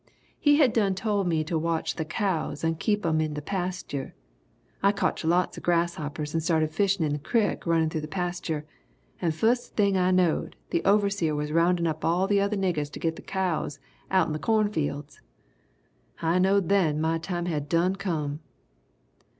He had done told me to watch the cows and keep 'em in the pastur'. I cotch lots of grasshoppers and started fishin' in the crick runnin' through the pastur' and fust thing I knowed, the overseer was roundin' up all the other niggers to git the cows outen the cornfields! I knowed then my time had done come!"